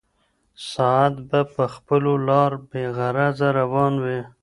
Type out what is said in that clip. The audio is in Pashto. ساعت به په خپله لاره بېغرضه روان وي.